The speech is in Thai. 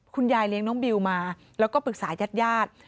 เลี้ยงน้องบิวมาแล้วก็ปรึกษายาด